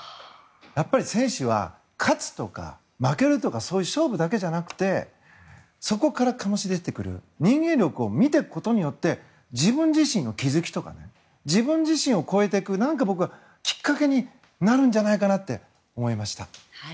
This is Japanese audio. やっぱり選手は勝つとか負けるとかそういう勝負だけじゃなくてそこから醸し出てくる人間力を見ていくことによって自分自身の気づきとか自分自身を超えていく何か、きっかけになるんじゃないかなって思いました。